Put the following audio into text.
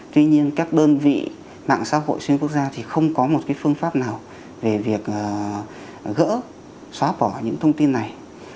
tuy nhiên các đơn vị mạng xã hội xuyên quốc gia thì không có một phương pháp nào về việc gỡ xóa bỏ những thông tin này